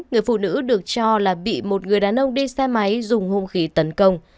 người phụ nữ được cho là bị một người đàn ông đi xe máy dùng hôn khí tấn công